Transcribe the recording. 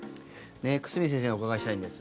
久住先生にお伺いしたいです。